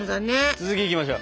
続きいきましょう！